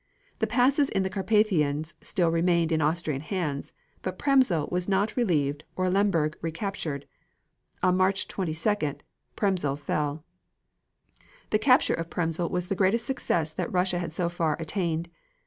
The passes in the Carpathians still remained in Austrian hands, but Przemysl was not relieved or Lemberg recaptured. On March 22d Przemysl fell. The capture of Przemysl was the greatest success that Russia had so far attained.